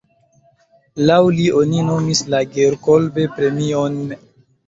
Laŭ li oni nomis la Georg-Kolbe-premion.